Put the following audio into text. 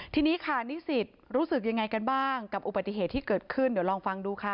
ทีนี้ค่ะนิสิตรู้สึกยังไงกันบ้างกับอุบัติเหตุที่เกิดขึ้นเดี๋ยวลองฟังดูค่ะ